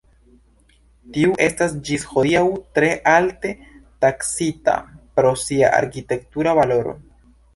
Tiu estas ĝis hodiaŭ tre alte taksita pro sia arkitektura valoro.